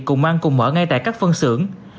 cùng ăn cùng mở ngay tại các phân xưởng